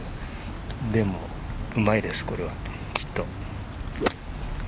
でもうまいです、これはきっと。